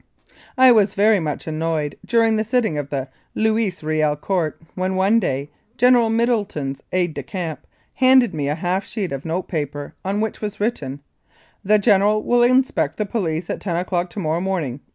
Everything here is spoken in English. I was very much annoyed during the sitting of the Louis Kiel Court when, one day, General Middleton's aide de camp handed me a half sheet of note paper on which was written, "The General will inspect the police at ten o'clock to morrow morning.